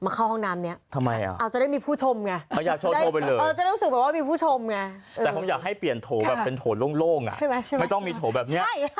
มาเข้าห้องน้ำนี้อ้าวจะได้มีผู้ชมไงจะได้รู้สึกว่ามีผู้ชมไงแต่ผมอยากให้เปลี่ยนโถแบบเป็นโถโล่งอ่ะไม่ต้องมีโถแบบนี้